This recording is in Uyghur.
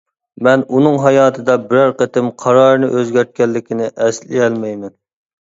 مەن ئۇنىڭ ھاياتىدا بىرەر قېتىم قارارىنى ئۆزگەرتكەنلىكىنى ئەسلىيەلمەيمەن.